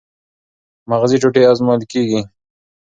مغزي ټوټې ازمویل کېږي.